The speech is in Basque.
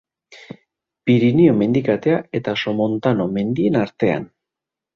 Pirinio mendikatea eta Somontano mendien artean.